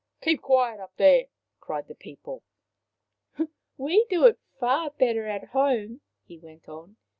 " Keep quiet up there !" cried the people. " We do it far better at home/' he went on.